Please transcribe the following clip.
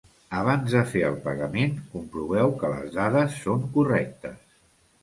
Abans de fer el pagament comproveu que les dades són correctes.